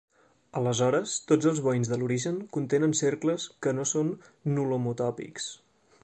Aleshores, tots els veïns de l'origen contenen cercles que no són nulhomotòpics.